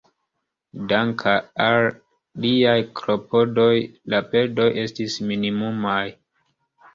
Dank'al liaj klopodoj, la perdoj estis minimumaj.